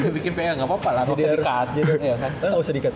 bikin pr gak apa apa lah gak usah di cut